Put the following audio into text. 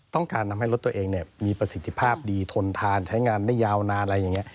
ทำให้รถตัวเองมีประสิทธิภาพดีทนทานใช้งานได้ยาวนานอะไรอย่างนี้